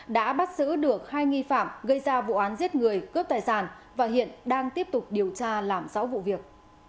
đã bắt giữ được hai nghi phạm gây ra vụ án giết người cướp tài sản và hiện đang tiếp tục điều tra làm rõ vụ việc